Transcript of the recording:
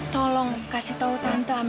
tolong dikasih tahu tante